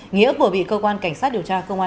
nghĩa vừa bị cơ quan cảnh sát điều tra